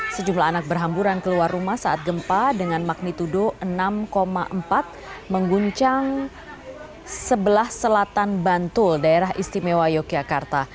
sejumlah anak berhamburan keluar rumah saat gempa dengan magnitudo enam empat mengguncang sebelah selatan bantul daerah istimewa yogyakarta